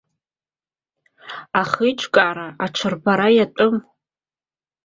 Ахеиҿкаара ҽырбара иатәым!